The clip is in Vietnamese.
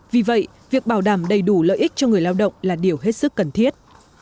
vì vậy việc bảo đảm đầy đủ lợi ích cho người lao động là điều hết sức cần thiết